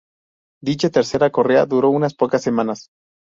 Dicha tercera correa duró unas pocas semanas.